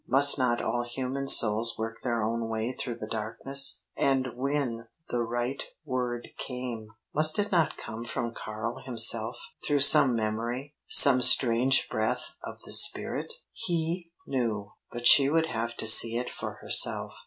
Must not all human souls work their own way through the darkness? And when the right word came, must it not come from Karl himself, through some memory, some strange breath of the spirit? He knew, but she would have to see it for herself.